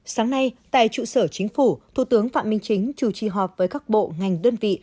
sáng nay tại trụ sở chính phủ thủ tướng phạm minh chính chủ trì họp với các bộ ngành đơn vị